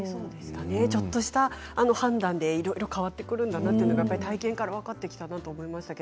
ちょっとした判断でいろいろ変わってくるんだなってのは体験から分かってきたと思います。